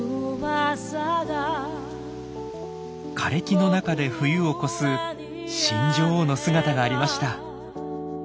枯れ木の中で冬を越す新女王の姿がありました。